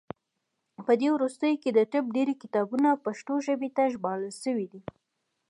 په دې وروستیو کې د طب ډیری کتابونه پښتو ژبې ته ژباړل شوي دي.